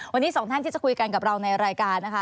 วันนี้สองท่านที่จะคุยกันกับเราในรายการนะคะ